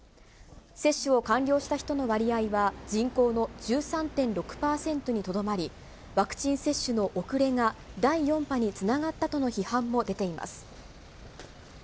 接種を完了した人の割合は、人口の１３．６％にとどまり、ワクチン接種の遅れが、第４波につながったとの批判も出ています。